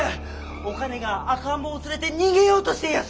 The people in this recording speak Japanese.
お兼が赤ん坊を連れて逃げようとしていやす！